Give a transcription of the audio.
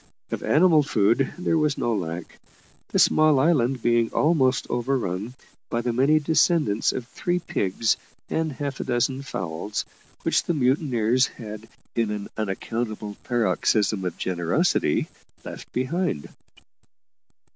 Of animal food there was no lack, the small island being almost overrun by the many descendants of three pigs and half a dozen fowls, which the mutineers had, in an unaccountable paroxysm of generosity, left behind.